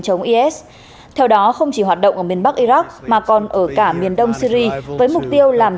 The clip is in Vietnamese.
chống is theo đó không chỉ hoạt động ở miền bắc iraq mà còn ở cả miền đông syri với mục tiêu làm